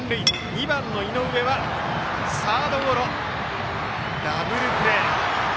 ２番の井上はサードゴロダブルプレー。